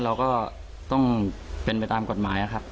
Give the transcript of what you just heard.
เราก็ต้องเป็นไปตามกฎหมายนะครับ